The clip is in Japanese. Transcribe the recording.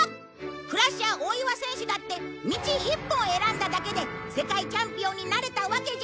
クラッシャー大岩選手だって道一本選んだだけで世界チャンピオンになれたわけじゃない。